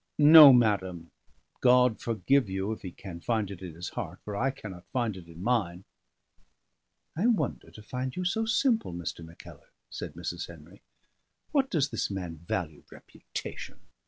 No, madam! God forgive you, if He can find it in His heart; for I cannot find it in mine." "I wonder to find you so simple, Mr. Mackellar," said Mrs. Henry. "What does this man value reputation?